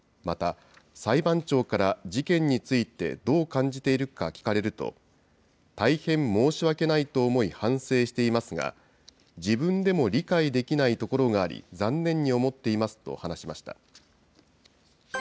また、裁判長から事件についてどう感じているか聞かれると、大変申し訳ないと思い、反省していますが、自分でも理解できないところがあり、残念に思っていますと話しました。